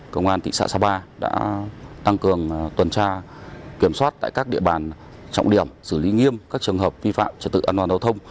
công an thị xã sapa đã tăng cường tuần tra kiểm soát tại các địa bàn trọng điểm xử lý nghiêm các trường hợp vi phạm trật tự an toàn giao thông